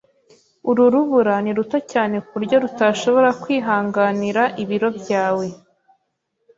Uru rubura ni ruto cyane ku buryo rutashobora kwihanganira ibiro byawe.